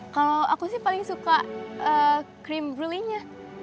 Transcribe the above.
kalo aku sih paling suka cream brulee nya